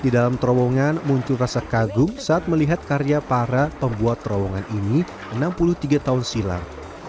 di dalam terowongan muncul rasa kagum saat melihat karya para pembuat terowongan ini enam puluh tiga tahun silam